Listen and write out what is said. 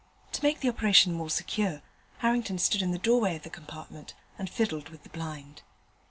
To make the operation more secure, Harrington stood in the doorway of the compartment and fiddled with the blind.